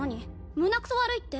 胸くそ悪いって？